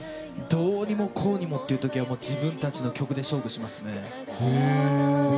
どうにもこうにもって時は自分たちの曲で勝負しますね。